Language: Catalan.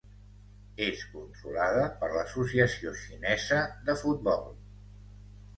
És controlada per l'Associació Xinesa de Futbol.